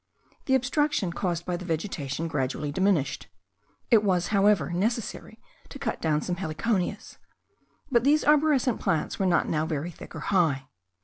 The obstruction caused by the vegetation gradually diminished; it was, however, necessary to cut down some heliconias; but these arborescent plants were not now very thick or high.